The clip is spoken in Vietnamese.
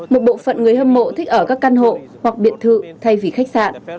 một bộ phận người hâm mộ thích ở các căn hộ hoặc biệt thự thay vì khách sạn